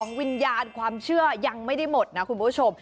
วิญญาณความเชื่อยังไม่ได้หมดนะคุณผู้ชม